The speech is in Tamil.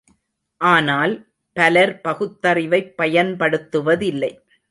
ஆனால், பலர் பகுத்தறிவைப் பயன்படுத்துவதில்லை.